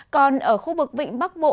còn ở khu vực vịnh bắc bộ